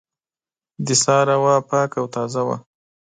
د سهار هوا پاکه او تازه وه.